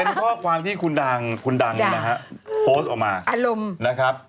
เป็นข้อความที่คุณดังโพสต์ออกมา